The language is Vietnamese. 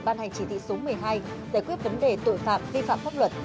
ban hành chỉ thị số một mươi hai giải quyết vấn đề tội phạm vi phạm pháp luật